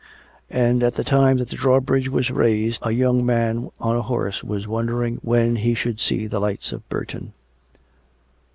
And, at the time that the drawbridge was raised, a young man on a horse was wondering when he should see the lights of Burton.